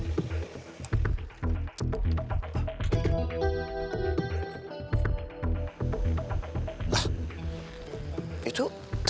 kumperegap bisa berdua ya